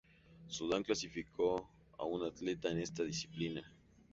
Sudán clasificó a un atleta en esta disciplina.